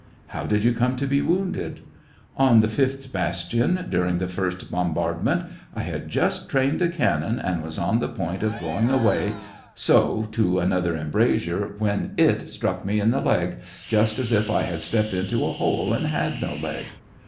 " How did you come to be wounded ?"" On the fifth bastion, during the first bombard merrt. I had just trained a cannon, and was on the point of going away, so, to another em brasure when it struck me in the leg, just as if I had stepped into a hole and had no leg."